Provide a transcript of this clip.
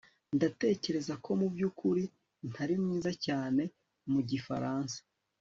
Ndatekereza ko mubyukuri ntari mwiza cyane mu gifaransa